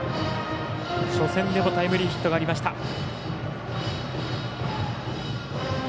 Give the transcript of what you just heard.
初戦でのタイムリーヒットがありました。